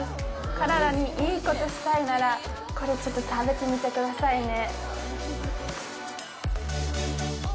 体にいいことしたいならこれ食べてみてくださいね。